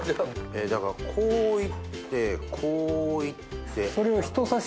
だからこういってこういって。